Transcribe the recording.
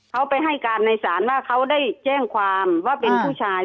เขาไปให้การในศาลว่าเขาได้แจ้งความว่าเป็นผู้ชาย